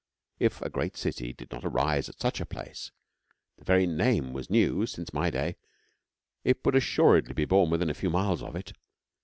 If a great city did not arise at such a place the very name was new since my day it would assuredly be born within a few miles of it.